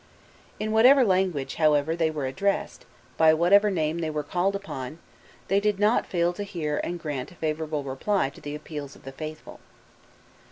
In whatever language, however, they were addressed, by whatever name they were called upon, they did not fail to hear and grant a favourable reply to the appeals of the faithful.